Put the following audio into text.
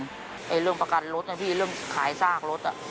เรื่องประกันรถนะพี่เรื่องขายซากรถ